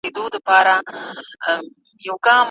دولتونه جدي هڅه کوي.